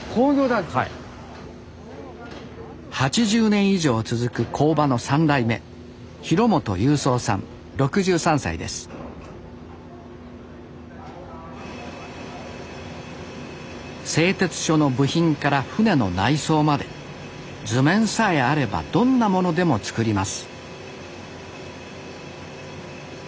８０年以上続く工場の３代目製鉄所の部品から船の内装まで図面さえあればどんなものでも作ります